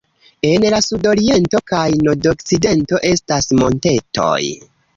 En la sudoriento kaj nordokcidento estas montetoj.